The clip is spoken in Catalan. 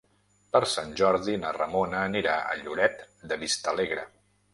Per Sant Jordi na Ramona anirà a Lloret de Vistalegre.